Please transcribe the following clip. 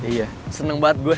iya seneng banget gue